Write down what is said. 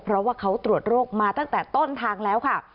เพราะว่าเขาตรวจโรคมาตั้งแต่ต้นทางแล้วค่ะ